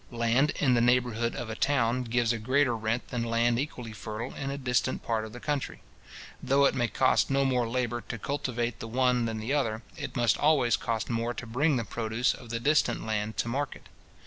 Land in the neighbourhood of a town gives a greater rent than land equally fertile in a distant part of the country. Though it may cost no more labour to cultivate the one than the other, it must always cost more to bring the produce of the distant land to market.